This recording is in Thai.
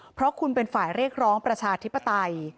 เพราะคุณเป็นฝ่ายเรียกร้องประชาธิปไตย